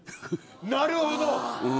なるほど。